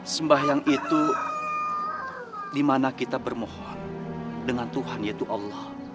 sembahyang itu dimana kita bermohon dengan tuhan yaitu allah